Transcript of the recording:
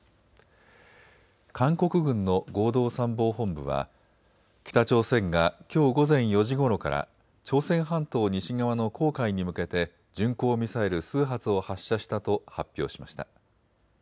韓国軍の合同参謀本部は北朝鮮がきょう午前４時ごろから朝鮮半島西側の黄海に向けて巡航ミサイル数発を発射したと発表しました。